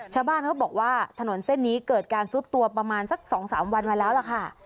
ชาวบ้านเขาบอกว่าถนนเส้นนี้เกิดการซุดตัวประมาณสัก๒๓วันมาแล้วล่ะค่ะ